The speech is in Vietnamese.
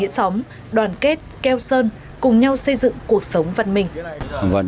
để sống đoàn kết kêu sơn cùng nhau xây dựng cuộc sống văn minh